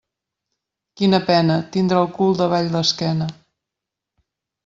Quina pena, tindre el cul davall l'esquena.